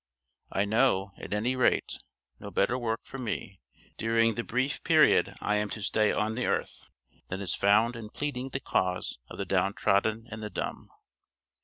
I know, at any rate, no better work for me during the brief period I am to stay on the earth, than is found in pleading the cause of the down trodden and the dumb.